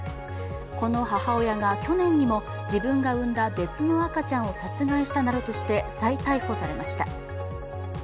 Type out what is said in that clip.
この母親が去年にも、自分が産んだ別の赤ちゃんを殺害したなどとして再逮捕されました。